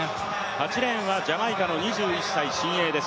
８レーンはジャマイカの２１歳新鋭です。